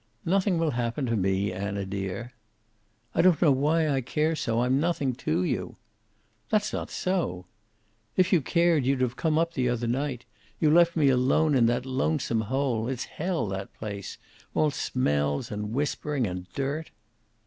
"Nothing will happen to me, Anna, dear." "I don't know why I care so. I'm nothing to you." "That's not so." "If you cared, you'd have come up the other night. You left me alone in that lonesome hole. It's hell, that place. All smells and whispering and dirt."